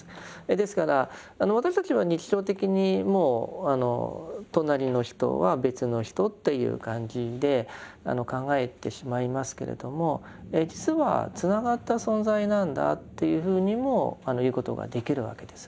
ですから私たちは日常的にもう隣の人は別の人という感じで考えてしまいますけれども実はつながった存在なんだというふうにも言うことができるわけです。